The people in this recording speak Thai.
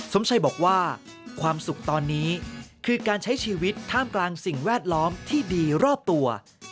สมชัยบอกว่าความสุขตอนนี้คือการใช้ชีวิตท่ามกลางสิ่งแวดล้อมที่ดีรอบตัว